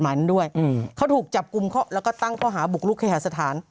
หมายนั้นด้วยอืมเขาถูกจับกุมเขาแล้วก็ตั้งเขาหาบุกลุกแข่หาสถาน